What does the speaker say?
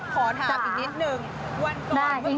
ขอถามอีกนิดนึง